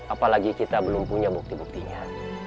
apalagi kita belum punya bukti buktinya